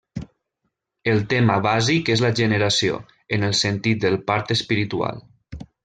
El tema bàsic és la generació, en el sentit del part espiritual.